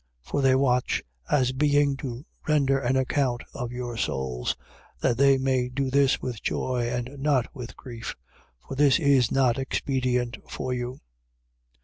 For they watch as being to render an account of your souls: that they may do this with joy and not with grief. For this is not expedient for you.